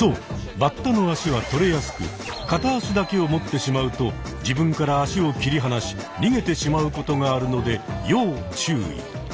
バッタの脚は取れやすく片脚だけを持ってしまうと自分から脚を切り離し逃げてしまう事があるので要注意。